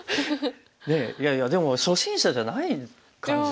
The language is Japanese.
ねえいやいやでも初心者じゃない感じで。